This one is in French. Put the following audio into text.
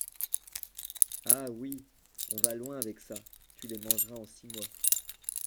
Ah ! oui, on va loin avec ça ! tu les mangeras en six mois !